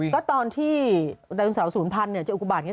ก็ตอนที่นางสาวศูนย์พันธุ์เจออุบาตนี้